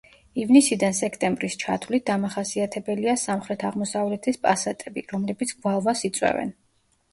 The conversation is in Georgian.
ივნისიდან სექტემბრის ჩათვლით დამახასიათებელია სამხრეთ-აღმოსავლეთის პასატები, რომლებიც გვალვას იწვევენ.